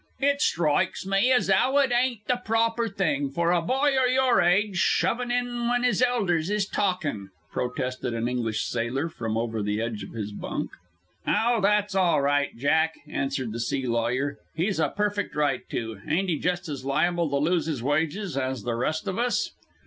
"It strikes me as 'ow it ain't the proper thing for a boy o' your age shovin' in when 'is elders is talkin'," protested an English sailor, from over the edge of his bunk. "Oh, that's all right, Jack," answered the sea lawyer. "He's a perfect right to. Ain't he just as liable to lose his wages as the rest of us?"